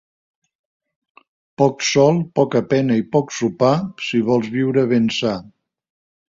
Poc sol, poca pena i poc sopar, si vols viure ben sa.